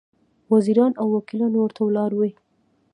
وزیران او وکیلان ورته ولاړ وي.